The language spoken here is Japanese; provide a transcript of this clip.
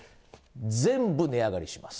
全部値上がりします。